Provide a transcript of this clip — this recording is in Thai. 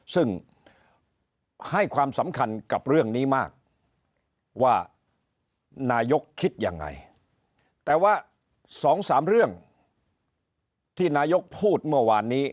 ซึ่งให้ความสำคัญกับเรื่องนี้มากว่านายกคิดยังไงแต่ว่า๒๓เรื่องที่นายกพูดเมื่อวานนี้